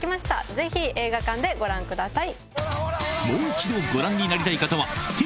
ぜひ映画館でご覧ください。